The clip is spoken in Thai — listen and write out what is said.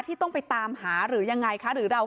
ที่ต้องไปตามหาหรือยังไงคะหรือเราก็ซื้อแล้วนี่